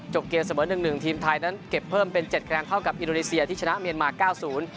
จบเกณฑ์เสมอ๑๑ทีมไทยนั้นเก็บเพิ่มเป็น๗แค่งเท่ากับอินโดรีเซียที่ชนะเมียนไม้๙๐